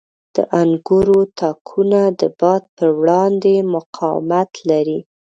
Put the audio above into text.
• د انګورو تاکونه د باد په وړاندې مقاومت لري.